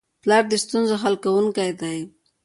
پلار د ستونزو حل کوونکی دی.